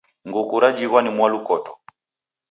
Nguku rejighwa ni mwalukoto.